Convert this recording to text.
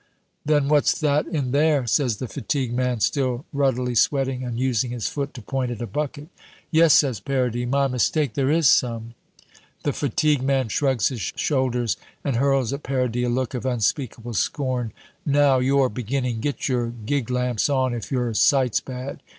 "Then what's that in there?" says the fatigue man, still ruddily sweating, and using his foot to point at a bucket. "Yes," says Paradis, "my mistake, there is some." The fatigue man shrugs his shoulders, and hurls at Paradis a look of unspeakable scorn "Now you're beginning! Get your gig lamps on, if your sight's bad."